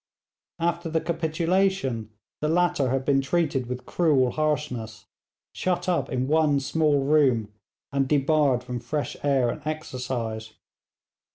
After the capitulation the latter had been treated with cruel harshness, shut up in one small room, and debarred from fresh air and exercise.